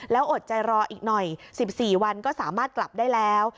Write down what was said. แล้วอดใจรออีกหน่อย๑๔วันก็สามารถกลับได้แล้ว